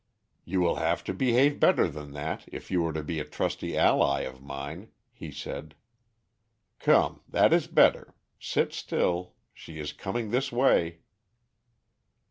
"You will have to behave better than that if you are to be a trusty ally of mine," he said. "Come, that is better! Sit still; she is coming this way."